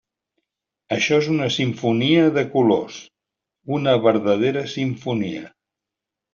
Açò és una simfonia de colors, una verdadera simfonia.